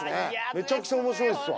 めちゃくちゃ面白いっすわ。